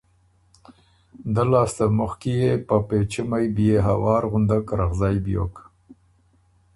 دۀ لاسته مخکی يې په پېچُمئ بيې هوار غُندک رغزئ بیوک۔